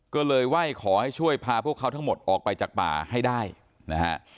ก็เลยไหว้ขอให้ช่วยพาพวกเขาทั้งหมดออกไปจากป่าให้ได้นะฮะ